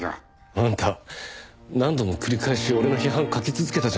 あんた何度も繰り返し俺の批判を書き続けたじゃないか。